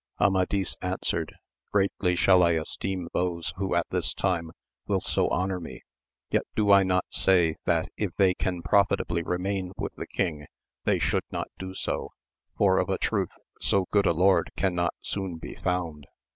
Amadis answered. Greatly shall I esteem those who at this time will so honour me, yet do I not say, that if they can profitably re main with the king they should not do so, for of a truth so good a lord cannot soon be found.